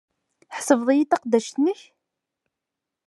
Tḥesbed-iyi d taqeddact-nnek?